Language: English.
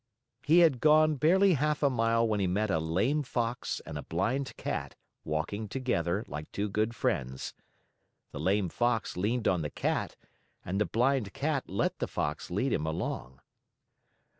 He had gone barely half a mile when he met a lame Fox and a blind Cat, walking together like two good friends. The lame Fox leaned on the Cat, and the blind Cat let the Fox lead him along.